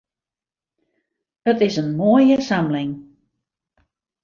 It is in moaie samling.